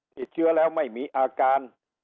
ติดเชื้อแล้วไม่มีอาการ